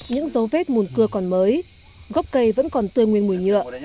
những dấu vết mùn cưa còn mới gốc cây vẫn còn tươi nguyên mùi nhựa